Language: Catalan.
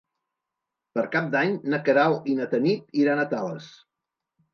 Per Cap d'Any na Queralt i na Tanit iran a Tales.